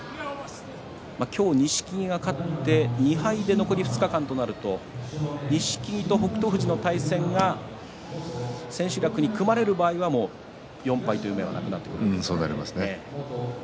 今日、錦木が勝って２敗で残り２日間となると錦木と北勝富士の対戦が千秋楽に組まれる場合は４敗という芽はなくなります。